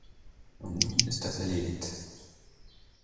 Und nun ist das erledigt!